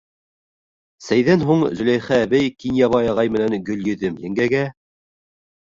Сәйҙән һуң Зөләйха әбей Кинйәбай ағай менән Гөлйөҙөм еңгәгә: